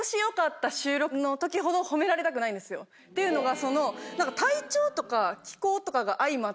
っていうのが。